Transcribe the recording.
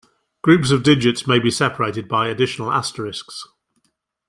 Groups of digits may be separated by additional asterisks.